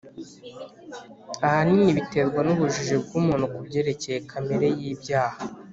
Ahanini biterwa n’ubujiji bw’umuntu ku byerekeye kamere y'ibyaha,